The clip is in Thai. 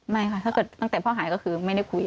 ไม่ค่ะถ้าเกิดตั้งแต่พ่อหายก็คือไม่ได้คุย